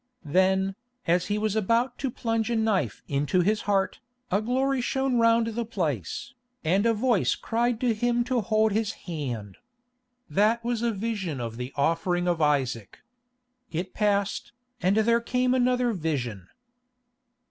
Then, as he was about to plunge a knife into his heart, a glory shone round the place, and a voice cried to him to hold his hand. That was a vision of the offering of Isaac. It passed, and there came another vision.